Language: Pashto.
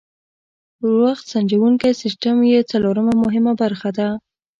وخت سنجوونکی سیسټم یې څلورمه مهمه برخه ده.